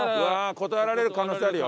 断られる可能性あるよ。